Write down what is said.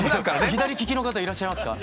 左利きの方いらっしゃいますか？